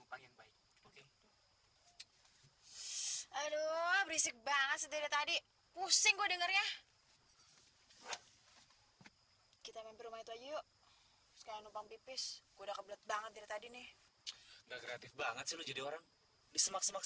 umpang pipis udah kebelet banget dari tadi nih banget sih lu jadi orang di semak semak